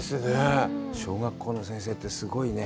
小学校の先生って、すごいね。